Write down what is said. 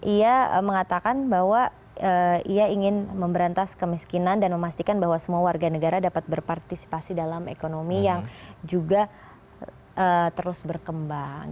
ia mengatakan bahwa ia ingin memberantas kemiskinan dan memastikan bahwa semua warga negara dapat berpartisipasi dalam ekonomi yang juga terus berkembang